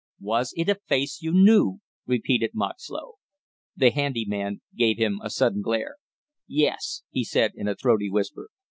"Was it a face you knew?" repeated Moxlow. The handy man gave him a sudden glare. "Yes," he said in a throaty whisper.